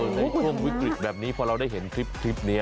ในความวิกฤตแบบนี้เพราะเราได้เห็นคลิปเนี่ย